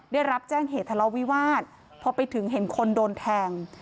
ได้รับแจ้งเหตุทะเลาวิวาสพอไปถึงเห็นคนโดนแทง